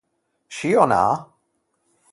Scì ò na?